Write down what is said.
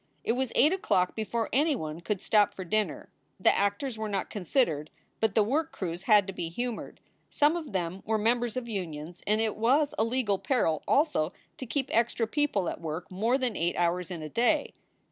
It was eight o clock before anyone could stop for dinner. The actors were not considered, but the work crews had to be humored. Some of them were members of unions and it was a legal peril also to keep extra people at work more than eight hours in a day.